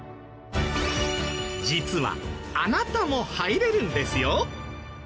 実はあなたも入れるんですよ！